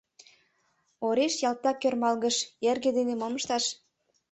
Ориш ялтак ӧрмалгыш: эрге дене мом ышташ?